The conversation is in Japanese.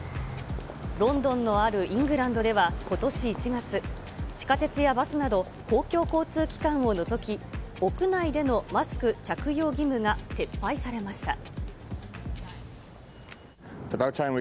ロンドンのあるイングランドではことし１月、地下鉄やバスなど公共交通機関を除き、屋内でのマスク着用義務が撤廃されました。